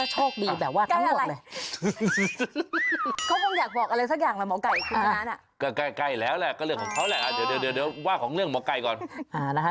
อ๋อเห็นเห็นว่าใกล้ละนะคะ